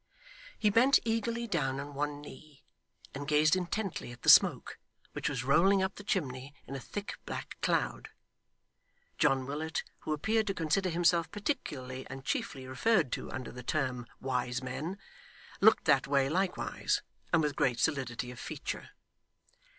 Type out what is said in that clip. He bent eagerly down on one knee, and gazed intently at the smoke, which was rolling up the chimney in a thick black cloud. John Willet, who appeared to consider himself particularly and chiefly referred to under the term wise men, looked that way likewise, and with great solidity of feature.